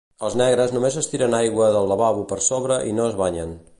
Els negres només és tiren aigua del lavabo per sobre i no es banyen